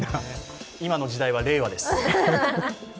今の時代は令和です。